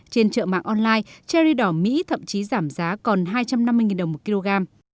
trên chợ mạng online cherry đỏ mỹ thậm chí giảm giá còn hai trăm năm mươi đồng một kg